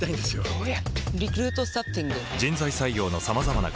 おや？